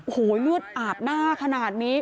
โอ้โหเลือดอาบหน้าขนาดนี้